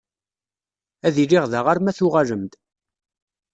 Ad iliɣ da arma tuɣalem-d.